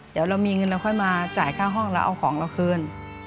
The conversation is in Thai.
เดี๋ยวเรามีเงินเราค่อยมาจ่ายค่าห้องแล้วเอาของเราคืน